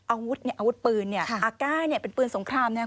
อาวุธเนี่ยอาวุธปืนเนี่ยอาก้าเนี่ยเป็นปืนสงครามเนี่ย